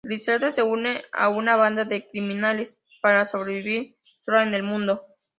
Griselda se une a una banda de criminales para sobrevivir sola en el mundo.